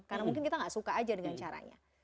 karena mungkin kita nggak suka aja dengan caranya